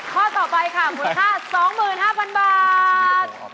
ข้อต่อไปค่ะมูลค่า๒๕๐๐๐บาท